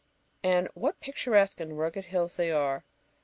And what picturesque and rugged hills they are!